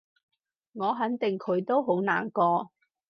我肯定佢都好難過